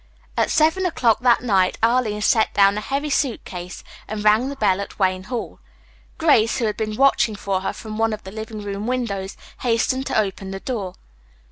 At seven o'clock that night Arline set down a heavy suit case and rang the bell at Wayne Hall. Grace, who had been watching for her from one of the living room windows, hastened to open the door.